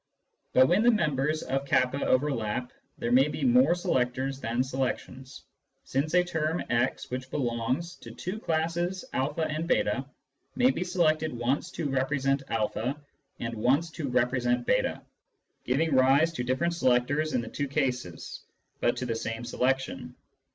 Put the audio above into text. But when the members of k overlap, there may be more selectors than selections, since a term x which belongs to two classes a and j3 may be selected once to represent a and once to represent jS, giving rise to different selectors in the two cases, but to the same selection.